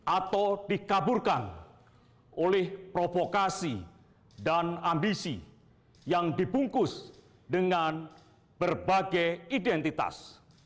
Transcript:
atau dikaburkan oleh provokasi dan ambisi yang dibungkus dengan berbagai identitas